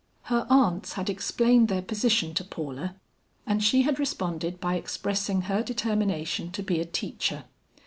Her aunts had explained their position to Paula and she had responded by expressing her determination to be a teacher.